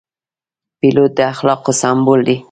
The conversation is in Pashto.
پیلوټ د اخلاقو سمبول دی.